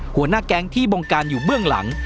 หัวหน้าแก๊งที่บงการอยู่เบื้องหลัง